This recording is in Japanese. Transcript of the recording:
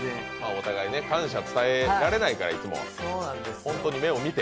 お互い感謝伝えられないからいつも、本当に目を見て。